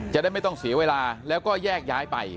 จะได้ไม่ต้องเสียเวลาแล้วก็แยกย้ายไป